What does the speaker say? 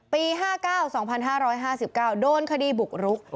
ปี๕๙๒๕๕๙โดนคดีบุกรุก